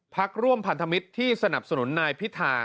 พักร่วมพันธมิตรที่สนับสนุนนายพิธา